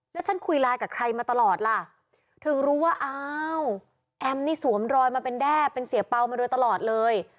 แล้วฉันคุยไลน์กับใครมาตลอดล่ะถึงรู้ว่าอ้าวแอมนี่สวมรอยมาเป็นแด้เป็นเสียเปล่ามาโดยตลอดเลย